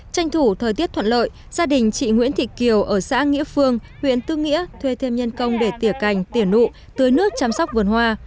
tranh thủ thời tiết thuận lợi gia đình chị nguyễn thị kiều ở xã nghĩa phương huyện tư nghĩa thuê thêm nhân công để tỉa cành tiền nụ tưới nước chăm sóc vườn hoa